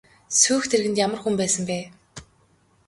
Сүйх тэргэнд ямар хүн байсан бэ?